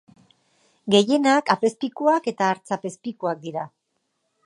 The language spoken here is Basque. Gehienak apezpikuak eta artzapezpikuak dira.